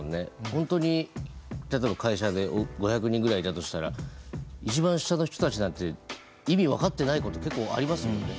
本当に例えば会社で５００人ぐらいいたとしたら一番下の人たちなんて意味分かってないこと結構ありますもんね。